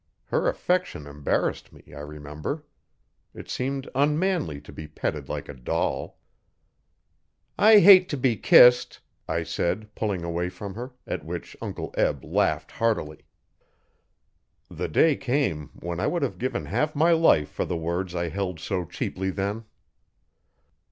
Her affection embarrassed me, I remember. It seemed unmanly to be petted like a doll. 'I hate to be kissed,' I said, pulling away from her, at which Uncle Eb laughed heartily. The day came when I would have given half my life for the words I held so cheaply then.